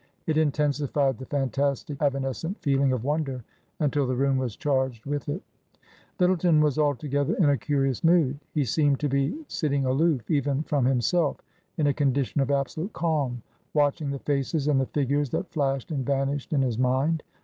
It intensified the fantastic evanescent feeling of wonder until the room was charged with it. Lyttleton was altogether in a curious mood. He seemed to be sitting aloof even from himself, in a con dition of absolute calm, watching the faces and the figures that flashed and vanished in his mind.